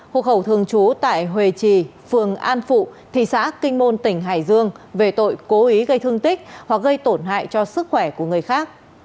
hộ khẩu thường trú tại hòe trì phường an phụ thị xã kinh môn tỉnh hải dương về tội cố ý gây thương tích hoặc gây tổn hại cho sức khỏe của người khác